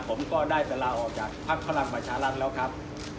ผมก็ได้เป็นราวออกจากภักดิ์ภรรณประชาลักษณ์แล้วครับ